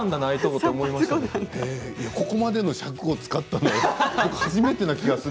ここまでの尺を使ったのは初めてな気がする。